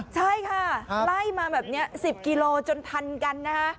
ใช่ค่ะไล่มา๑๐กิโลกรัมจนทันกัน